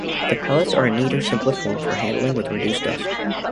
The pellets are a neater, simpler form for handling, with reduced dust.